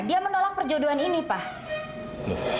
dia menolak perjodohan ini pak